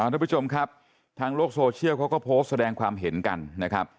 ทุกผู้ชมครับทางโลกโซเชียลเขาก็โพสต์แสดงความเห็นกันนะครับ